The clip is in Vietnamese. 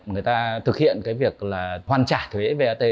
người ta thực hiện cái việc là hoàn trả thuế vat